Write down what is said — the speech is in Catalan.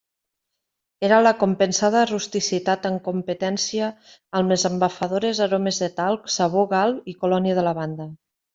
Era la compensada rusticitat en competència amb les embafadores aromes de talc, sabó Gal i colònia de lavanda.